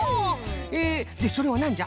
ええでそれはなんじゃ？